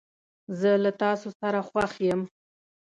زه له تاسو سره خوښ یم.